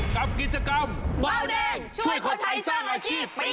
กับกิจกรรมเบาแดงช่วยคนไทยสร้างอาชีพปี๒